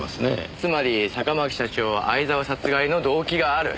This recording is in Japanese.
つまり坂巻社長は相沢殺害の動機がある。